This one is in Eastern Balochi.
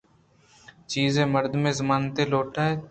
چیزے مردمے ضمانتے لوٹیت